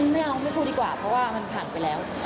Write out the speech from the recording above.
ไม่เอาไม่พูดดีกว่าเพราะว่ามันผ่านไปแล้ว